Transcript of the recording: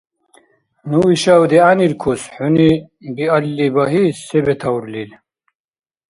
Ну ишав дигӀяниркус, хӀуни биалли багьи, се бетаурлил…